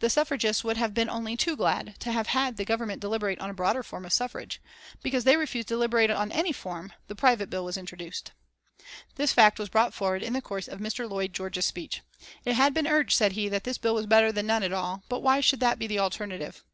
The suffragists would have been only too glad to have had the Government deliberate on a broader form of suffrage. Because they refused to deliberate on any form, this private bill was introduced. This fact was brought forward in the course of Mr. Lloyd George's speech. It had been urged, said he, that this bill was better than none at all, but why should that be the alternative?